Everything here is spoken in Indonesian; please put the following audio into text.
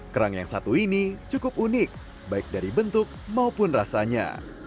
kerang yang satu ini cukup unik baik dari bentuk maupun rasanya